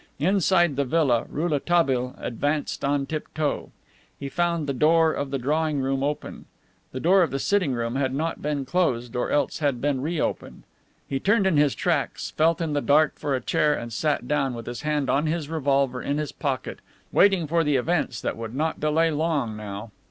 Inside the villa Rouletabille advanced on tiptoe. He found the door of the drawing room open. The door of the sitting room had not been closed, or else had been reopened. He turned in his tracks, felt in the dark for a chair and sat down, with his hand on his revolver in his pocket, waiting for the events that would not delay long now.